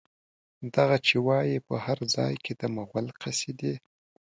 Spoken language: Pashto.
دغه چې وايي، په هر ځای کې د مغول قصيدې